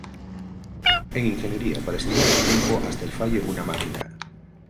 En ingeniería para estimar el tiempo hasta el fallo en una máquina.